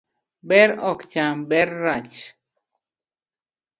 Ber ok cham ber marach